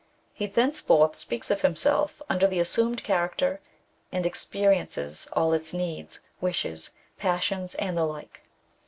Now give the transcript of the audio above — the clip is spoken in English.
He thenceforth speaks of himseK under the assumed cha racter, and experiences all its needs, wishes, passions, and the like.